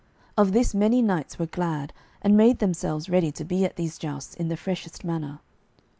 Of this many knights were glad, and made themselves ready to be at these jousts in the freshest manner.